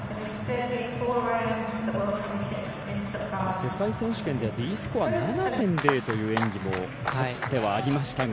世界選手権ではＤスコア７．０というスコアもかつてはありましたが。